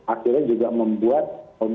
akhirnya juga membuat